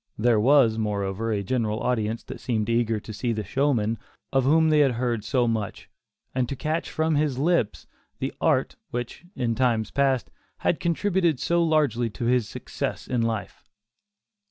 There was, moreover, a general audience that seemed eager to see the "showman" of whom they had heard so much, and to catch from his lips the "art" which, in times past, had contributed so largely to his success in life.